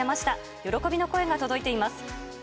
喜びの声が届いています。